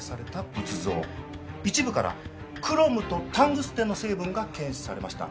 一部からクロムとタングステンの成分が検出されました。